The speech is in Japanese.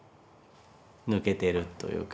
抜けてるというか